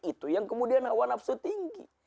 itu yang kemudian hawa nafsu tinggi